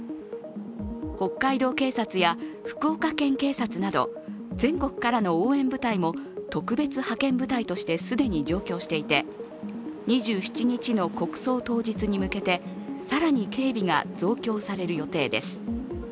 北海道警察や福岡県警察など全国からの応援部隊も特別派遣部隊として既に上京していて２７日の国葬当日に向けて更に警備が増強される予定です。